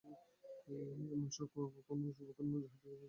এমন কোন শুভ কর্ম নাই, যাহাতে অশুভের কোন স্পর্শ নাই।